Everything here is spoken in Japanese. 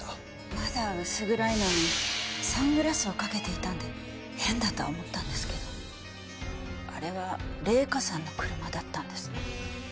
まだ薄暗いのにサングラスをかけていたんで変だとは思ったんですけどあれは礼香さんの車だったんですね。